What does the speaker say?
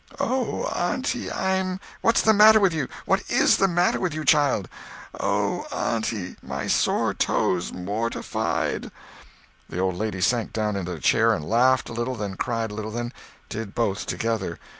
"Oh, auntie, I'm—" "What's the matter with you—what is the matter with you, child?" "Oh, auntie, my sore toe's mortified!" The old lady sank down into a chair and laughed a little, then cried a little, then did both together.